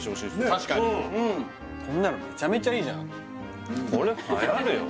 確かにこんなのめちゃめちゃいいじゃんこれはやるよ